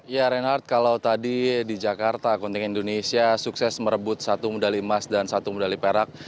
ya reinhardt kalau tadi di jakarta kontingen indonesia sukses merebut satu medali emas dan satu medali perak